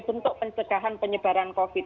bentuk pencegahan penyebaran covid